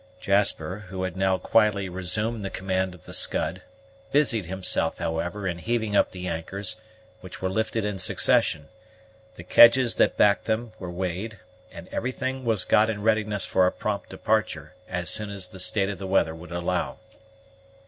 Jasper, who had now quietly resumed the command of the Scud, busied himself, however, in heaving up the anchors, which were lifted in succession; the kedges that backed them were weighed, and everything was got in readiness for a prompt departure, as soon as the state of the weather would allow.